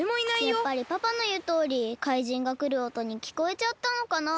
やっぱりパパのいうとおり怪人がくるおとにきこえちゃったのかなあ。